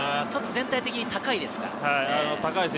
全体的に高いですか？